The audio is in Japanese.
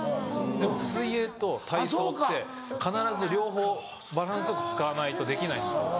でも水泳と体操って必ず両方バランスよく使わないとできないんですよ。